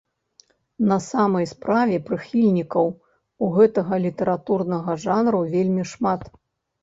На самай справе прыхільнікаў у гэтага літаратурнага жанру вельмі шмат.